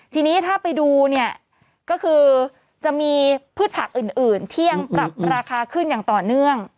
ทีนี้ถ้าไปดูเนี่ยก็คือจะมีพืชผักอื่นที่ยังปรับราคาขึ้นอย่างต่อเนื่อง